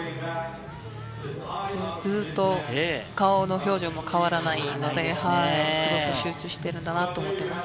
ずっと顔の表情も変わらないのですごく集中してるんだなと思います。